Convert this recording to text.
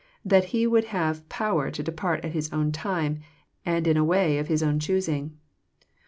*' that He would have power to depart at His own time, and in a way of II is own choosing."